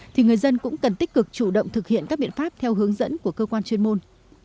thì người dân cũng cần tích cực chủ động thực hiện các biện pháp theo hướng dẫn của cơ quan chuyên môn